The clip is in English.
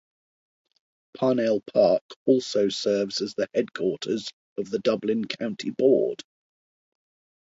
Parnell Park also serves as the headquarters of the Dublin County Board.